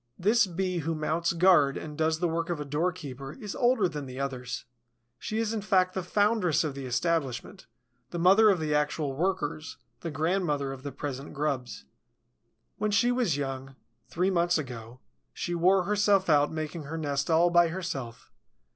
This Bee who mounts guard and does the work of a doorkeeper is older than the others. She is in fact the foundress of the establishment, the mother of the actual workers, the grandmother of the present grubs. When she was young, three months ago, she wore herself out making her nest all by herself.